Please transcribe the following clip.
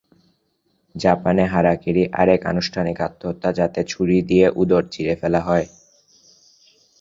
জাপানে হারাকিরি আরেক আনুষ্ঠানিক আত্মহত্যা যাতে ছুরি দিয়ে উদর চিরে ফেলা হয়।